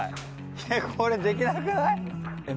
えっ、これできなくない？